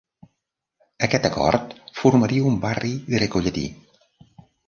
Aquest acord formaria un barri grecollatí.